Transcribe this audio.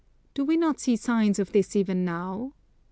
Do we not see signs of this even now?